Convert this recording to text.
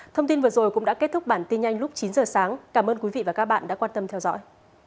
thông tin vừa rồi cũng đã kết thúc bản tin nhanh lúc chín giờ sáng cảm ơn quý vị và các bạn đã quan tâm theo dõi